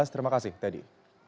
terima kasih teddy